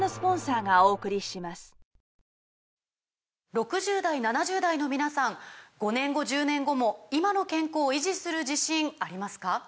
６０代７０代の皆さん５年後１０年後も今の健康維持する自信ありますか？